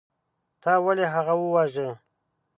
تا ولې هغه وواژه.